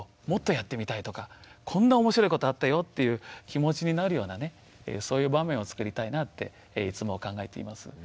もっとやってみたいとかこんな面白いことあったよっていう気持ちになるようなねそういう場面をつくりたいなっていつも考えています。